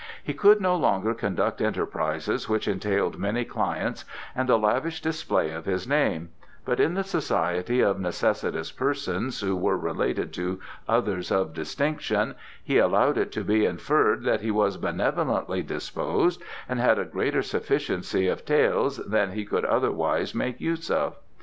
He could no longer conduct enterprises which entailed many clients and the lavish display of his name, but in the society of necessitous persons who were related to others of distinction he allowed it to be inferred that he was benevolently disposed and had a greater sufficiency of taels than he could otherwise make use of.